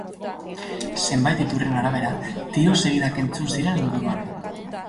Zenbait iturrien arabera, tiro-segidak entzun ziren inguruan.